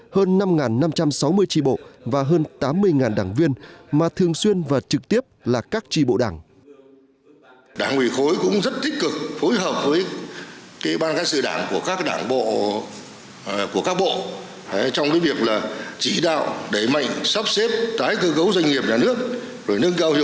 hơn năm năm trăm sáu mươi tri bộ và hơn tám mươi đảng viên mà thường xuyên và trực tiếp là các tri bộ đảng